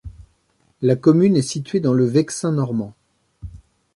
La commune est située dans le Vexin normand.